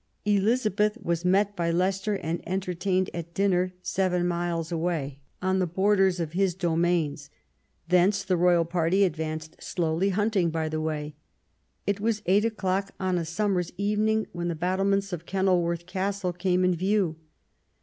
Elizabeth was met by Leicester and entertained at dinner seven miles away on the borders of his domains. Thence the Royal party advanced slowly, hunting by the way. It was eight o'clock on a summer's evening when the battlements of Kenil worth Castle came in view.